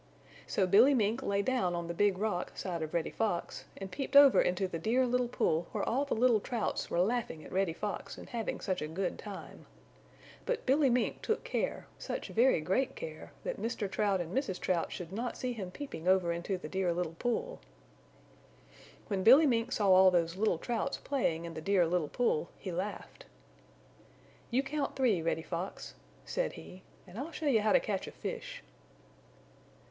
So Billy Mink lay down on the Big Rock side of Reddy Fox and peeped over into the Dear Little Pool where all the little Trouts were laughing at Reddy Fox and having such a good time. But Billy Mink took care, such very great care, that Mr. Trout and Mrs. Trout should not see him peeping over into the Dear Little Pool. When Billy Mink saw all those little Trouts playing in the Dear Little Pool he laughed. "You count three, Reddy Fox," said he, "and I'll show you how to catch a fish."